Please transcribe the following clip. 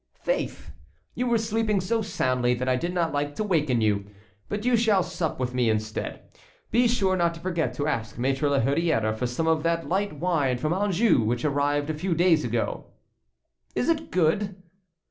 "Faith, you were sleeping so soundly that I did not like to waken you. But you shall sup with me instead. Be sure not to forget to ask Maître La Hurière for some of that light wine from Anjou, which arrived a few days ago." "Is it good?"